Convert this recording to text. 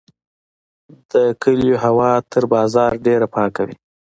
د کلیو هوا تر بازار ډیره پاکه وي.